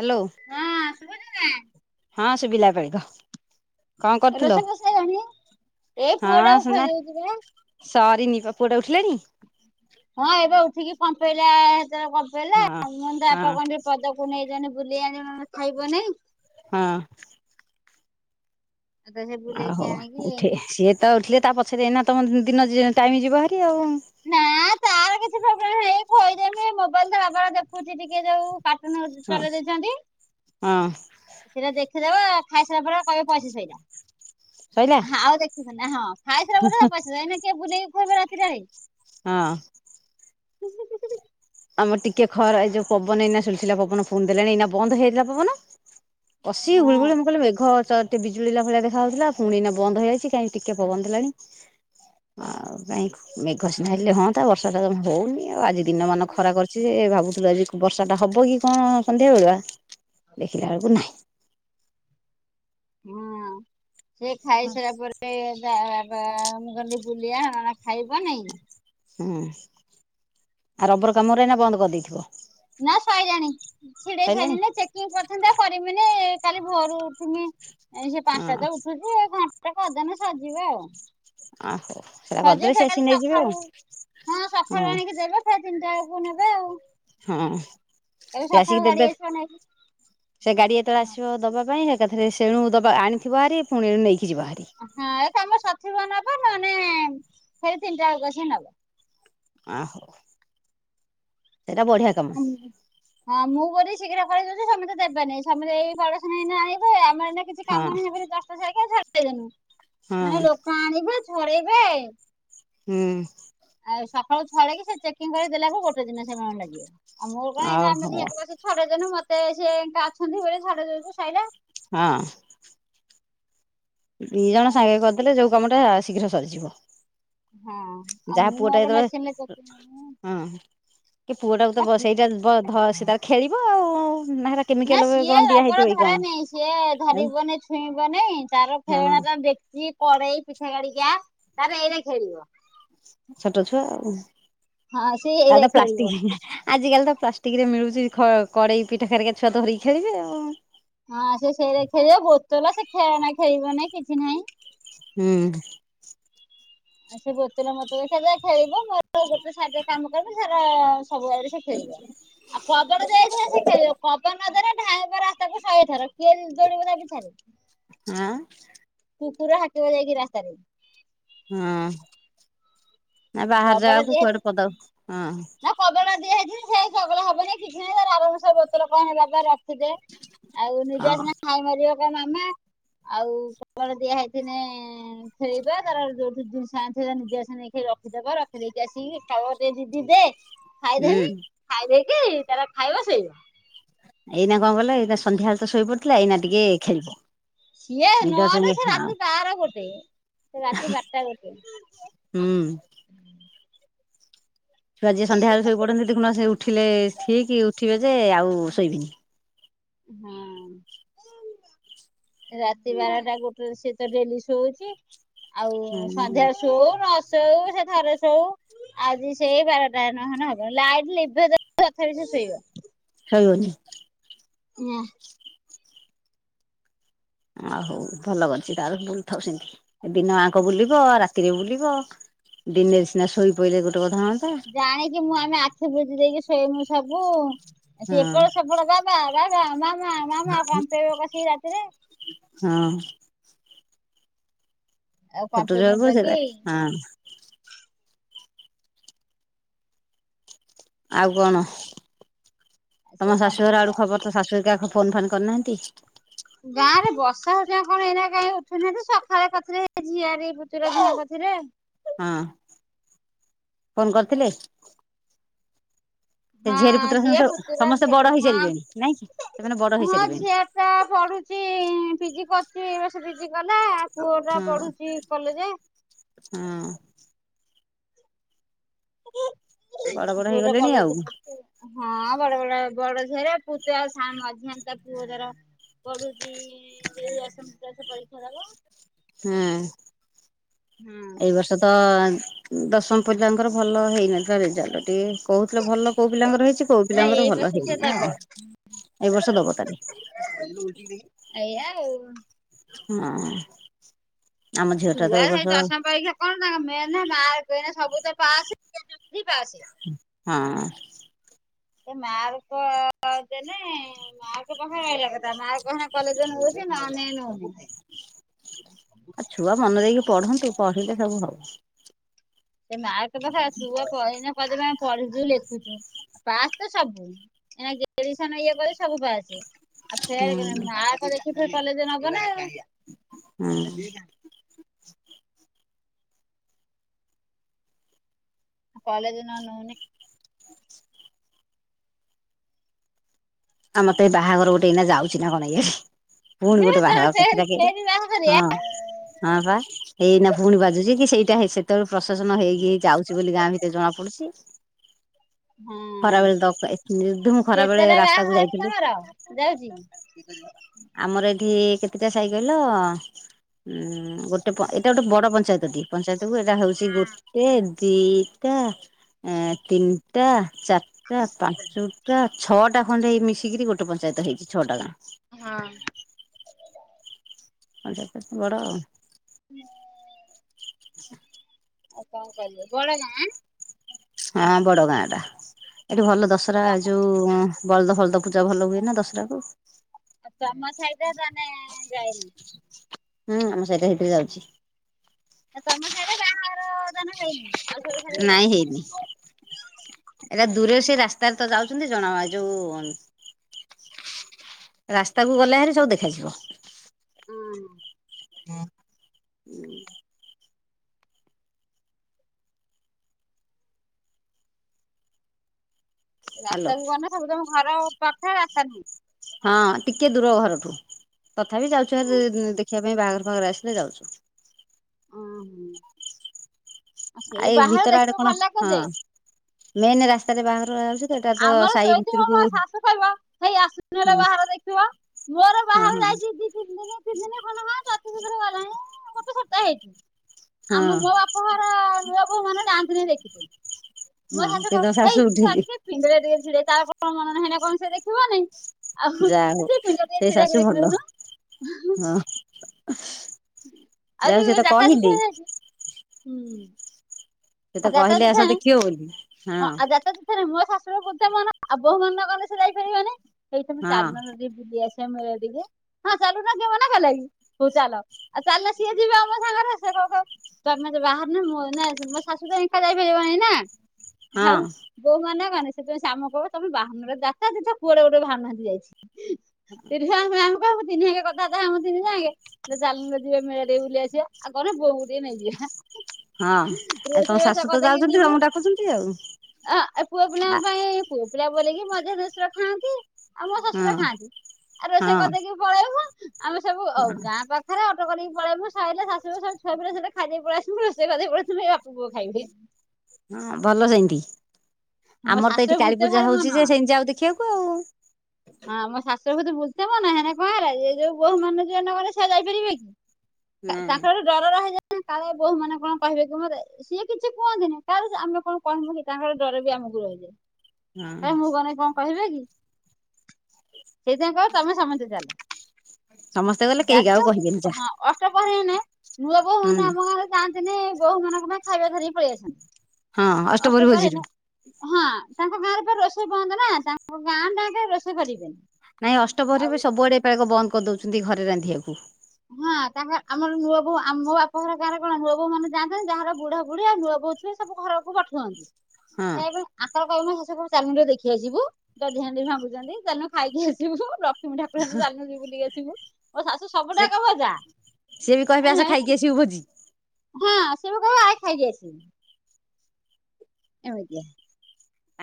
Hello. ଆ ଶୁବୁଚି ନା? ହଁ ଶୁବିଲା ଏ ପାଳି କହ। କଣ କରୁଥିଲ ରୋଷେଇବାସ ସଇଲାଣି- ଏଇ ପୁଅ ହଁ ଟାକୁ ସୁନା ଖୁଆଇଦଉଚି ପରା। ସରିନି ପା -ପୁଅଟା ଉଠିଲାଣି? ହଁ ଏବେ ଉଠିକି କମ୍ପେଇଲା ସେ କମ୍ପେଇଲା ହଁ ମୁଁ ହଁ [unintelligible] ପୁଅକୁ ନେଇ ଯାଉନ ବୁଲେଇ ଆଣିବ ଖାଇବ ନେଇଁ। ହଁ। ଆଉ ତ ସେ ଆ ବୁଲେଇକି ହଉ ଆଣିକି ଉଠେ- ସିଏ ତ ଉଠିଲେ ତା ପଛରେ ଏଇନା ତମ ଦି -ଦିନ ଯି - ଟାଇମି ଯିବ ଭାରି ଆଉ। ନାଁ ତାର କିଛି ପ୍ରୋବ୍ଲେମ ନାଇଁ ଖୋଇଦେବି ମୋବାଇଲ୍ ତା ବାବାର ଦେଖୁଚି ଟିକେ ଯଉ କାର୍ଟୁନ ଆଉଚି ହଁ ଚଲେଇ ଦେଇଚନ୍ତି। ହଁ। ସେଟା ଦେଖିଦବ ଖାଇସାଇଲା ପରେ କହିବ ପଇସା ସଇଲା। ସଇଲା ହଁ ଆଉ ଦେଖିବ ନି ହଁ ଖାଇସାଇଲା ପରେ ତା ବାପା ଆସିଲେ ଏଇନା କିଏ ବୁଲେଇକି ଖୁଆଇବ ରାତିଟାରେ। ହଁ। [inaudible] ଆମର ଟିକେ ଖର୍- ଏଇ ଯଉ ପବନ ଏଇନା ସୁଲୁସୁଲିଆ ପବନ ଫୁଣି ଦେଲାଣି ଏଇନା ବନ୍ଦ ହେଇଯାଇଥିଲା ପବନ। କସିକି ଗୁଳିଗୁଳି ହଁ ମୁଁ କହିଲି ମେଘ ଚ ଟିକେ ବିଜୁଳି ହେଲା ଭଳିଆ ଦେଖାଯାଉଥିଲା ପୁଣି ଏଇନା ବନ୍ଦ ହେଇଯାଇଚି କାଇଁ ଟିକେ ପବନ ଦେଲାଣି। ଆଉ କାଇଁ ମେଘ ସିନା ହେଲେ ହଁ ତା ବର୍ଷାତ ଯମା ହଉନି। ଆଉ ଆଜି ଦିନ ମାନ ଖରା କରିଚି ଯେ ଭାବୁଥିଲି ଆଜି ବର୍ଷାଟା ହବ କି କଣ ସନ୍ଧ୍ୟା ବେଳୁଆ ଦେଖିଲା ବଳକୁ ନାହିଁ। ହୁଁ ସେ ଖାଇସାରିଲା ପରେ [unintelligible] ବୁଲିଆ ଖାଇବ ନେଇଁ। ହୁଁ- ଆ ରବର କାମ ଗୁରା ଏଇନା ବନ୍ଦ କରିଦେଇଥିବ? ନା ସଇିଲାଣି ଛିଡେଇ ସଇଲାଣି ସାରିଲ ଚେ ଚିଂ-କରିଥାତା କରିବିନି କାଲି ଭୋରୁ ଉଠିମି ସେ ହଁ ପାଞ୍ଚଟା ତ ଉଠୁଚି [unintelligible] ସେ କଦନ ସଜିବ ଆଉ। ଆ ହଉ ସେଟା ହଁ- କରିଦେଲେ ଜେ ସେ ଆସିକି କାଲି ନେଇଯିବେ ଆଉ ସଖାଳୁ ହଁ ସଖାଳୁ ଆଣିକି ଦେବେ ସେ ତିନିଟା ବଳକୁ ନେବେ ଆଉ। ହଁ। ଏବେ ସେ ଆସିକି ସକାଳୁ ଦେବେ ଗାଡି ଆସିବ ନେ ସେ ଗାଡି ଯେତେବେଳେ ଆସିବ ଦବା ପାଇଁ ଏକାଥରେ ସେଣୁ ଦବା ଆଣିଥିବ ହାରି ପୁଣି ଏଣୁ ନେଇକି ଯିବ ହାରି। ହଁ ଏ କାମ ସରିଥିବ ନା ଅପା ନହେଲେ ସେ ତିନିଟା ବେଳକୁ ଆସି ନବ। ଆ ହଉ ସେଟା ବଢିଆ କାମ। ନବ ହଁ ମୁଁ ବୋଲିି ଶୀଘ୍ର ଫେରେଇଦଉଚି ସମେତେ ଦେବେନେଇ ସମେତେ ଏଇ ଖରା ସମୟ ଏଇନା ଆଇବ ଆମର ଏଇନେ କିଛି ହଁ କାମ ନ ହଁ [unintelligible] ଲୋକ ଆଣିବେ ଛଡେଇବେ ହୁଁ। ଆଉ ସକାଳୁ ଛଡେଇ କିି ସେ ଚେକିଂ କରି ଦେଲାକୁ ଗୋଟେ ଦିନ ସମୟ ଲାଗିବ। ଆଉ ମୋର କଣ ଆଉ ଏଇନା ଆମେ ହଉ ଦିଆଁକୁ ଆସି ଛଡେଇଦେନୁ ମତେ ସ ଏକା ଅଛନ୍ତି ବୋଲି ଛଡେଇ ଦେଲୁ ସାଇଲା। ହଁ। ଦି ଜଣ ଆଉ ସାଙ୍ଗରେ କରିଦେଲେ ଯଉ କାମଟା ଶୀଘ୍ର ସରିଯିବ। ହଁ। ଆଉ ଯାହା ମୁଁ ପୁଅ ଟା ମୋର ମେସିନରେ ଯେତେବେଳେ ଚେକିଂ ହଁ- କି ପୁଅ ଟାକୁ ତ ବ-ସେଇଟା ବ- ଧ ସେ ତାର ଖେଳିବ ଆଉ ନା କେମିକାଲ ନା ସିଏ କଣ ଦିଆ ରବର ହେଇଥିବ କି ଧରେ କଣ ନେଇଁ ସିଏ ଆଉ ଧରିବନି ଛୁଇଁବନି ତାର ହଁ ଖେଳଣା ଟା ଦେଖି କରେଇ ପିଠା ଖାଡିକା ତାର ଏଇରା ଖେଳିବ। ଛୋଟ ଛୁଆ ଆଉ ହଁ ସେ ତାର ଏଇରା ତ ଖେଳିବ ପ୍ଲାଷ୍ଟିକି ଆଜିକାଲି ତ ପ୍ଲାଷ୍ଟିକରେ ମିଳୁଚି ଖ କଡ଼େଇ ପିଠାଖାରିକା ଛୁଆ ଧରିକି ଖେଳିବେ ଆଉ। ହଁ ସେ ସେରା ଖେଳିବ ବୋତଲ ସେ ଖେଳନା ଖେଳିବ ନେଇଁ କିଛି ନାହିଁ। ହୁଁ। ଆ ସେ ବୋତଲା ମୋତୋଲ ସେରା ଖେଳିବ ମୋର ଗୋଟେଛାଡଦେ କାମ କରି ସେରା ସବୁ ଆଡେ ସିଏ ଖେଳିବ ଆ କଦଡ [unintelligible] ସେ ଖେଳିବ କଦ ଦ୍ବାରା ଧଇଁବ ରାସ୍ତାକୁ ଶହେଥର କିଏ ଦୋଉଡ଼ିବ ତା ପିଛାରେ। ଆଁ? କୁକୁର ହାକିବ ଯାଇକି ରାସ୍ତାରେ। ହଁ ନା ଆଉ ବାହାର କବାଟ ଜାଗାକୁ ଦିଆହେଇଛି କୁଆଡେ ପଦାକୁ ଅହଁ। ନା କବଡ ଦିଆ ହେଇଚି ସେ ଚଗଲା ହବନେଇ କିଛି ନାଇଁ ହେରା ଆରାମସେ ବତୋଲ କଣ ହେରାକ ର ଖିଦେ ଆଉ ନିଦ ହଁ ଆସିନେ ହାଇ ମାରିବ କହିବ ମାମା ଆଉ କବଡ ଦିଆ ହେଇଥିନେ ଏଁ ସେଇପା ତାର ଯୋଉଠୁ ଯୁଁ [unintelligible] ନିଜେ ଆସେ ନେଇକି ର ରଖିଦବା ରଖିଦେଇକି ଆସିକି କହିବ ଦେ ଦିଦି ଦେ ହୁଁ ଖାଇଦେମି ଖାଇ ଦେଇକି ତାର ଖାଇବ ଶୋଇବ। ଏଇନା କଣ କହିଲ ଏଇନା ସନ୍ଧ୍ୟାବେଳେ ତ ଶୋଇ ପଡିଥିଲା ଏଇନା ଟିକେ ଖେଳିବ। ସିଏ ନିଦ ହଁ ନହନେ ହୁଁ ସେ ରାତି ବାଆର ଗୋଟେ ସେ ରାତି ବାରଟା ଗୋଟେ। ହୁଁ। ଛୁଆ ଯିଏ ସନ୍ଧ୍ୟାବେଳେ ଶୋଇପଡ଼ନ୍ତି ଦେଖୁନ ସିଏ ଉଠିଲେ ଠିକି ଉଠିବେ ଯେ ଆଉ ଶୋଇବିନି। ହଁମ୍। ରାତି ବାରଟା ଗୋଟେରେ ସିଏ ତ ଡେଲି ଶୋଉଚି। ଆଉ ହୁଁ ସନ୍ଧ୍ୟା ଶୋଉ ନ ଶୋଉ ସେ ଥରେ ଶୋଉ ଆଜି ସେଇ ବାରଟା ନହନେ ହବନି ଲାଇଟ୍ ଲିଭେଇ ଦୋ ତଥାପି ସିଏ ଶୋଇବ। ଶୋଇବନି। ନା। ଆଉ ହୋଉ ଭଲ କରଚି ତାର ବୁଲୁଥାଉ ସେମିତି ଏ ଦିନ ଆଁକ ହଁ। ବୁଲିବ ରା ରାତିକି ବୁଲିବ ଦିନେରେ ସିନା ଶୋଇ ପଇଲେ ଗୋଟେ କଥା ହନ୍ତା। ଜାଣିକି ମୁଁ ଆମେ ଆଖି ବୁଜି ଦେଇକି ଶୋଇମୁ ସବୁ ଆ ହଁ ସିଏ ଏପଟ ସେପଟ ପା ବାବା ବାବା ମାମା ମାମା କମ୍ପେଇବ କଷିକି ରାତିରେ। ହଁ। ଆଉ କମ୍ପେଇ ଛତୁରେ ହବ କୁମ୍ପେଇକି ସୁର ହଁ। ଆଉ କଣ ସେ ତମ ଶାଶୁଘର କମ୍ପେଇବ ଆଡୁ ଖବର ତ ଶାଶୁ ହରିକା ଖବ ଫୋନ୍ ଫାନ୍ କରିନାହାନ୍ତି? ଗାଁରେ ବର୍ଷା ହରିକା କଣ ଏଇନା କାଇଁ ଉଠୋଉନାହାନ୍ତି ସଖାଳେ କରିଥିଲେ ଝିଆରି ପୁତୁରା ଝିଅ କରଥିଲେ। ହଁ ଫୋନ୍ କରିଥିଲେ? ସେ ହଁ ଝିଆରୀ ପୁତୁରା ସିଏ ସମସ୍ତେ ପୁତୁରା ସମସ୍ତେ ବଡ ଝିଆରି ହଁ ହେଇସାରିବେଣି ନାଇଁ କି ସେମାନେ ବଡ ହଁ ହେଇସାରିବେଣି ଝିଆ ପା ପଢୁଚି ପିଜି କରୁଚି ଏଇବର୍ଷ ପିଜି କଲା। ପୁଅ ପା ହଁ ପଢୁଚି କଲେଜେ। ହଁ। ବଡ ବଡ ପୁଅର ହେଇଗଲେଣି ଆଉ କଲେଜ ପଢୁଚି। ହଁ ବଡ ବଡ ବଡ ଝିଆରି ଆଉ ପୁତୁରା ଆଉ ସା ମଝିଆଣି ତା ପୁଅ ଯାର ପଢୁଚି ଯେ ଦଶମ କ୍ଲାସ ପରୀକ୍ଷା ଦବ। ହୁଁ ହଁ ଏଇ ବର୍ଷ ତ ଉଁ ଦଶମ ପିଲାଙ୍କର ଭଲ ହେଇନଥିଲା ରେଜାଲ୍ଟ ଟିକେ କୋହୁଥିଲେ ଭଲ କୋଉ ପିଲାଙ୍କର ହେଇଚି କୋଉ ନାଇଁ ପିଲାଙ୍କର ଏଇ ବର୍ଷ ଭଲ ସେ ହେଇନି ଦବ ଆଉ ଏଇ ବର୍ଷ ଦବ ତାହାଲେ। ଏଇଆ ଆଉ। ହଁ ଆମ ଝିଅଟା ତ ଛୁଆ ଏଇ ହେଇ ବର୍ଷ ଦଶମ ପରୀକ୍ଷା କଣ ତାଙ୍କ ମେନ ମାର୍କ ଏଇନା ସବୁ ତ ପାସେ [unintelligible] ବି ପାସେ। ହଁ। ଏ ମାର୍କ ଦେନେ ଏ ମାର୍କ ପାଖରେ ରହିଲା କଥା ମାର୍କ ହେନେ କଲେଜ ନେଉଛି ନଏନେ ନୋଉନେଇ। ଆ ଛୁଆ ମନେ ଦେଇକି ପଢନ୍ତୁ ପଢିଲେ ସବୁ ହବ। ସେ ମାର୍କ କଥା ଛୁଆ କହିନେ କହିଦେମେ ଆମେ ପଢୁଛୁ ଲେଖୁଛୁ ପାସ୍ ତ ସବୁ। ଏଇନା ଗ୍ରେଦେଶନ ଇଏ କଲେ ସବୁ ପାସ। ଆଉ ଫେର ହୁଁ କେ ମାର୍କ ଦେଖି ଫେ କଲେଜ ନବନା ଆଉ। ହୁଁ କଲେଜ୍ ନ ନଉନି। ଆମର ତ ଏଇ ବାହାଘର ଗୋଟେ ଏଇନା ଯାଉଛି ନା କଣ ଏଇଆଡ଼େ। ପୁଣି ହେ ଗୋଟେ ତମେ ବାହାଘର ଫେରେ କେତଟା କେରେ ଫେରେ ବାହାଘରିଆ ହଁ। ହଁ ବା ହେଇନା ପୁଣି ବାଜୁଛି କି ସେଇଟା ସେତେବେଳେ ପ୍ରଶସନ ହେଇ ହେଉକି ଆଉଛି ବୋଲି ଗାଁ ଭିତ ରେ ଜଣା ପଡୁଛି ହଁ ଖରା ବେଳେ ଦ ଏ ନିର୍ଦ୍ଧୁମ ଖରା ବେଳେ ରାସ୍ତା [unintelligible] ଆମର ଏଠି କେତେଟା ସାହି କହିଲ ଉ ଗୋଟେ ପ ଏଇଟା ଗୋଟେ ବଡ଼ ପଞ୍ଚାୟତ ଟିଏ। ପଞ୍ଚାୟତକୁ ଏଇଟା ହଉଛି ଗୋଟେ ଦିଟା ଏ ତିନି ଆଟା ଚାରିଟା ପାଞ୍ଚୁଟା ଛଅ ଟା ଖଣ୍ଡେ ଇ ମିଶିକିରି ଗୋଟେ ପଞ୍ଚାୟତ ହେଇଛି ଛଅ ଟା ଗାଁ। ହଁ। ପଞ୍ଚାୟତ ଟା ଟିକେ ବଡ଼ ଆଉ। [inaudible] [inaudible] ଆଉ କଣ କହିଲେ ବଡ ଗାଁ ଆଁ। ହଁ ବଡ ଗାଁ ଏଟା ଏଠି ଭଲ ଦଶରା ତମ ଯୋଉ ବଳଦ ଫଳଦ ପୂଜା ଭଲ ହୁଏ ନା ଦଶରାକୁୁ। ଆଉ ତମ ସଇଟା ତାନେ ଯାଏନି। [inaudible] ହୁଁ ଆମ ସାଇଟା ସେଇତିରେ ଯାଉଛି। ଏ ତମ ସାଇରେ ବାହାଘର ତାନେ ହେଇନେଇ। ନାଇଁ ହେଇନି। ଏଇଟା ଦୂରରେ ସେଇ ରାସ୍ତାରେ ତ ଯାଉଛନ୍ତି ଜଣା ଅ ଯୋଉ ରାସ୍ତା କୁ ଗଲେ ଭହାରି ସବୁ ଦେଖାଯିବ। ହୁଁ। [inaudible] ହାଲୋ ରାସ୍ତାକୁ ଗନେ ସବୁ ତମ ଘର ପାଖ ରାସ୍ତା ରେ ହିଁ। ହଁ ଟିକେ ଦୂର ଘରଠୁ। ତଥାପି ଯାଉଛୁ ହାରି ଦେଖିବା ପାଇଁ ବାହାଘର ଫାହାଘରେ ଆସିଲେ ଯାଉଛୁ। ଓହୋ ସେ ଆଉ ଏଇ ବାହାରେ ଭିତର ଆଡେ ଦେଖିବାକୁ କଣ ଭଲ ଲାଗେ ହଁ ଯେ ମେନ୍ ରାସ୍ତାରେ ବାଘର ଯାଉଛି। ତ ଏଇଟା ତ ଆମର ସାହି ଶୋଇଥବ ଭିତରକୁ ମୋ ହଁ ଶାଶୁ କହିବ ହେଇ ଆସୁନ ଲୋ ବାହାଘର ଦେଖିବ। ମୋର ହଁ ହଁ ବାହାଘର ଯାଇଛି ଦି ତିନି ଦିନ ତିନି ଦିନ ଖଣ୍ଡେ ହବ। [inaudible] ହଁ ଗୋତେ ସପ୍ତାହ ହେଇଛି ହଁ ଆମ ମୋ ବାପା ଘର ନୂଆ ବୋହୂ ମାନେ ଯାଆନ୍ତି ନି ଦେଖିତେ। ମୋ ହଁ ଶାଶୁ ସେ କହିବ ତମ ହେଇ ତୁ ଉଠିଲି ଆସିକି ଏ ପିଣ୍ଡାରେ ଟିକେ ତାର କଣ ମନ ନାହିଁ ନା କଣ ସେ ଦେଖିବନାଇଁ। ଆ ଯାହା ହଉ ସେ ପିଣ୍ଡା ରେ ଟିକେ ସେଇ ଛିଡ଼ା ଶାଶୁ ହେଇକି ଦେଖି ଭଲ ଦଉନୁ। ହଁ ଆଉ ଯାହା ହଉ ଯିଏ ସେ କହିବ ତ ଯାତରା କହିଲି ଦେଖିବାକୁ ଯାଇଛି ହୁଁ। ସେ ତ ଆଉ ଜାକା କହିଲେ ଜୁକା ଆସ ଦେଖିବ ବୋଲି। ହଁ ଆଉ ଯାତରା ଦେଖିବାରେ ମୋ ଶାଶୁର ବୁଧେ ମନ ଆଉ ବୋହୁ ମନ କଲେ ସେ ଯାଇପାରିବନି। ହେଇ ତମେ ହଁ ଚାଲୁନ ଟିକେ ବୁଲି ଆସିବା ମେଳା ଟିକେ। ହଁ ଚାଲୁ ନା କିଏ ମନା କଲାକି ହଉ ଚାଲ ଆଉ ଚାଲିଲ ସିଏ ଯିବେ ଆମ ସାଙ୍ଗରେ ସେ କବ କବ ତମେ ଯେ ବାହାରୁ ନ ମୁଁ ନା ମୋ ଶାଶୁ ତ ଏଙ୍କା ଯାଇପାରିବନି ନା ହ ଆଉ। ହଁ ବୋଉ ମନା କନେ ସେପାଇଁ ସେ ଆମକୁ କହବେ ତମେ ବାହାରୁନ ଲୋ ଯାତ୍ରା ତୀର୍ଥ କୁଆଡେ ଗୋଟେ ବାହାରୁନାହାନ୍ତି ଯାଇଚି। [unintelligible] ତିନି ହାଙ୍କେ କଥା ବାର୍ତ୍ତା ହୋମୁ ତିନି ଜା ଆଙ୍କେ। ଝିଅ ଚାଲୁନ ରେ ଯିବା ମେଳା ଟିକେ ବୁଲି ଆସିବା। ଆଉ କଣ ବୋଉଙ୍କୁ ଟିକେ ନେଇଯିବେ ହାଁ। ହଁ ଆଉ ତମ ଶାଶୁ ତ ଯାଉଚନ୍ତି ଆମକୁ ଡାକୁଚନ୍ତି ଆଉ। ଆ ଏ ପୁଅ ପିଲାଙ୍କ ଆ ପାଇଁ ପୁଅ ପିଲା ବୋଲେକି ମଝିଆ ଦେଢଶୁର ଖାଆନ୍ତି। ଆଉ ମୋ ଶ୍ୱଶୁର ହଁ ଖାଆନ୍ତି। ଆ ରୋଷେଇ ହଁ କରିଦେଇକି ପଳେଇବୁ ଆମେ ସବୁ ଅ ଗାଁ ପାଖ୍ ଖାରେ ଅଟୋ କରିକ ପଳେଇବୁ ସାଇଲେ ଶାଶୁୁୁ ବୋହୂ ସବୁ ଛୁଆପିଲା ସହିତ ଖାଇଦେଇକି ପଳେଇଆସିବୁ। ମୁଁ ରୋଷେଇ କରିଦେଇ ପଳେଇ ଥିବି ବାପ୍ ମୋ ପୁଅ ଖାଇବାକୁ ଦିଏ। ହଁ ଭଲ ସେମତି। ମୋ ଆମର ତ ଶାଶୁର ଏଇଠି କାଳୀ ବୁଲତେ ପୂଜା ଭାରି ମନ। ହଉଚି ଯେ ସେମତି ଯାଉ ଦେଖିଆକୁ। ହଁ ମୋ ଶାଶୁୁର କୁ ଯିଏ ବୁଝେଇବ ନା ହେନା କାଁହାର ଯେ ଯୋଉ ବୋହୁ ମାନେ ଯେ ନଗଲେ ସେ ଆଉ ଯାଇପାରିବେ କି? ତାଙ୍କର ଟିକେ ଡର ରହିଯାଏ କାଳେ ବୋହୂ ମାନେ କଣ କହିବେ କଣ କରିବେ? ସିଏ କିଛି କୁହନ୍ତିନି କାଳେ ଆମେ କଣ କହିଁବୁ କି ତାଙ୍କର ଡର ବି ଆମକୁ ରହିଯାଏ। ହଁ ଏ ମୁଁ ଗନେ କଣ କହିବେ କି? ସେଇଥିପାଇଁ କହେ ତମେ ସମନ୍ତେ ଚାଲ। ସମସ୍ତେ ଗଲେ କେହି ଯାତ୍ରା କାହାକୁ ହଁ କହିବେନି ଯା ଅଷ୍ଟପ୍ରହରି ହେନେ ନୂଆ ବୋହୂ ହୁଁ ମାନେ ଆମ ଗାଁରେ ଯାଆନ୍ତିନି ବୋହୂ ମାନଙ୍କ ପାଇଁ ଖାଇବା ଧରିକି ପଳେଇ ଆସନ୍ତି। ହଁ ଅଷ୍ଟପହରି ଅଷ୍ଟ ପ୍ରହରୀ ଭୋଜିରୁ ହେନେ ହଁ ଆ ତାଙ୍କ ଗାଁରେ ପା ରୋଷେଇ ବନ୍ଦ ନା ତାଙ୍କ ଗାଁ ଟା ଯାକେଁ ରୋଷେଇ କରିବେନି। ନାଇଁ ଅଷ୍ଟ ପହରି ଆଉ ବି ସବୁଆଡେ ଏପାକ ବନ୍ଦ କରି ଦଉଚନ୍ତି ଘରେ ରାନ୍ଧିଆକୁ। ହଁ ଆ ତାହା ଆମର ନୂଆ ବୋଉ ଆମ ବାପଘର ଗାଁରେ କଣ ନୂଆ ବୋଉ ମାନ ଯାଆନ୍ତି ଯାହାର ବୁଢା ବୁଢୀ ଆଉ ନୂଆ ବୋଉ ନାଇଁ ସବୁ ଘରକୁ ପଠାଅନ୍ତି। ହଁ [unintelligible] କଣ? ଆଙ୍କର କହିବେ ମୋ ଶାଶୁକୁ ଚାଲୁନୁ ରେ ଦେଖି ଆସିବୁ ଦଧି ହାଣ୍ଡି ଭାଙ୍ଗୁଚନ୍ତି ଚାଲୁନୁ ଖାଇକି ଆସିବୁ ଲ ର କ୍ଷ୍ମୀ ଠାକୁରାଣୀଙ୍କୁ ଚାଲୁନୁ ଯି ବୁଲଦେଇକି ଆସିବୁ। ମୋ ଶାଶୁ ସେ ସବୁଟାକ୍ ଯା ସିଏ ବି କହିବେ ଆଁ ଆସ ନେଇଁକି ଖାଇକି ଆସିବୁ ଭୋଜି ହାଁ ସେବା କହିବେ ଆଇକି ଖାଇକି ଆସିିବୁ। ଏମିତିଆ।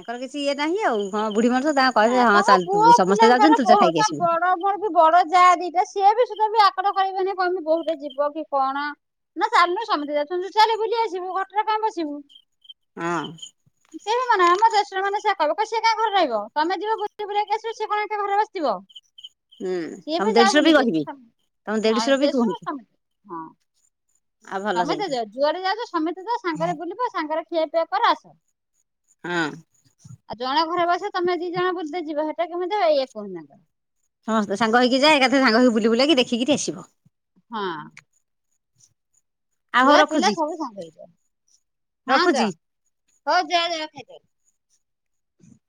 ଆଙ୍କର କିଛି ଇଏ ନାହିଁ ଆଉ ହଁ ବୁଢୀ ମଣିଷ ତାଙ୍କ କହିବେ ନା ହଁ ତମ ଚାଲ ତୁ ପୁଅ ସମସ୍ତେ ପିଲାଙ୍କର ଯାଉଛନ୍ତି ତୁ ଯା ଖାଇକି ବୋହୁତ ଆସିବୁ। ବଡ ବଡ ବଡ ଯାଆ ଦିଟା ସିଏ ବି ସୁଧା ବି ଆକଟ କରିବେନି କହିଁବେନି ବୋହୁଟା ଯିବ କି କଣ? ନା ଚାଲନୁ ସମତେ ଯାଉଛନ୍ତି ମୁଁ ଚାଲେ ବୁଲି ଆସିବୁ ଘରଟାରେ କାଇଁ ବସିବୁ। ଅଁ। କେବେ ମାନେ ଆମ ଦେଢଶୂର ମାନେ ସେଆ କହିବେ କହିବେ ସିଏ କାଇଁ ଘରେ ରହିବ? ତମେ ଯିବ ବୁଲି ବୁଲାକି ଆସିବ ସେ କଣ ଏକା ଘରେ ବସିଥିବ। ହୁଁ ସିଏ ତମ ବି ଯାଉ ଦେଢଶୁର ବୁଲିକି କହିବି ଆସୁ ତମ [unintelligible] ହାଁ ଦେଢଶୁର ବି ଦେଶୂ କୁହନ୍ତି ହଁ। ଆଉ ଭଲ ସମେତେ ସେମିତି। ଯାଅ ଯୁଆଡେ ଯାଉଚ ସମେତେ ଯାଅ ସାଙ୍ଗରେ ବୁଲିବ ସାଙ୍ଗରେ ଖିଆ ପିଆ କର ଆସ। ଅଁ। ଆଉ ଜଣ ଘରେ ବସିବ ତମେ ଦି ଜଣ ବୁଲତେ ଯିବ ସେଟା କେମିତି ହବ ଇଏ କହୁନାହା [unintelligible] ସମସ୍ତେ ସାଙ୍ଗ ହେଇକି ଯାଏ। ଏକାଥେରେ ସାଙ୍ଗ ହେଇ ବୁଲି ବୁଲାକି ଦେଖିକିରି ଆସିବ। ହଁ। ଆଉ ହଉ ଛୁଆ ପିଲା ରଖୁଛି ସବୁ ସାଙ୍ଗ ହେଇଯାଉ। ହଁ ରଖୁଛି। ଯାଅ ହଉ ଯାଅ ଯାଅ ଖାଇଦବ।